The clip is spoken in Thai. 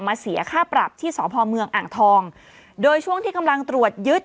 เสียค่าปรับที่สพเมืองอ่างทองโดยช่วงที่กำลังตรวจยึด